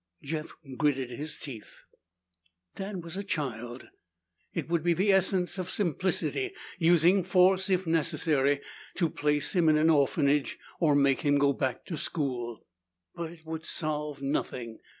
Jeff gritted his teeth. Dan was a child. It would be the essence of simplicity, using force if necessary, to place him in an orphanage or make him go back to school. But it would solve nothing.